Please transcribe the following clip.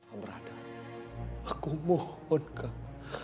amrata aku mohon kak